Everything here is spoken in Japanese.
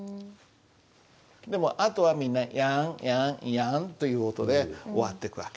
でもあとはみんな「ヤン」「ヤン」「ヤン」という音で終わってく訳。